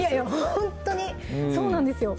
ほんとにそうなんですよ